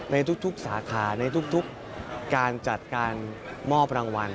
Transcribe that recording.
ในทุกสาขาในทุกการจัดการมอบรางวัล